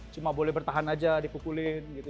cuma boleh bertahan aja dipukulin gitu